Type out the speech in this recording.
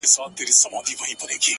• بيا د تورو سترګو و بلا ته مخامخ يمه،